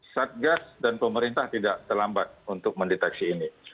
satgas dan pemerintah tidak terlambat untuk mendeteksi ini